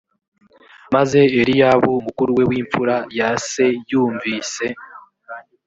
maze eliyabu mukuru we w imfura ya se yumvise